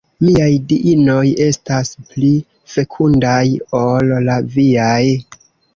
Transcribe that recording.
Miaj Diinoj estas pli fekundaj ol la viaj.